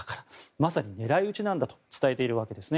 まさに狙い撃ちなんだと伝えているわけですね。